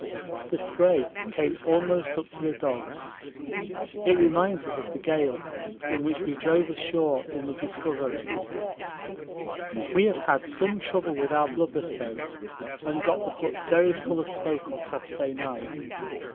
The spray came almost up to the dogs. It reminds us of the gale in which we drove ashore in the Discovery. We have had some trouble with our blubber stove and got the hut very full of smoke on Saturday night.